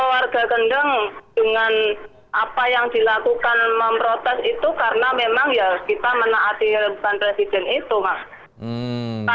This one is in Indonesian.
warga kendeng dengan apa yang dilakukan memprotes itu karena memang ya kita menaati beban presiden itu mas